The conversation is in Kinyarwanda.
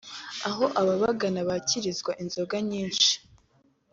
aho ababagana bakirizwa inzoga nyinshi